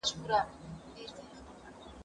زه به سبا ځواب ليکم!!